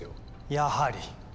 やはり。